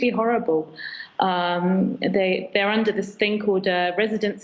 mereka berada di situasi yang disebut status residensi